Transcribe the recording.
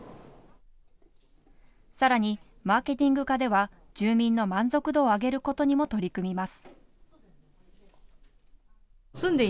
さらにマーケティング課では住民の満足度を上げることにも取り組みます。